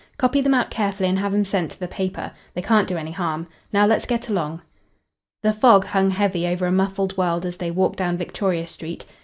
"Copy them out carefully and have 'em sent to the paper. They can't do any harm. Now let's get along." The fog hung heavy over a muffled world as they walked down Victoria Street.